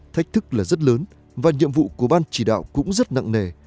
thách thức là rất lớn và nhiệm vụ của ban chỉ đạo cũng rất nặng nề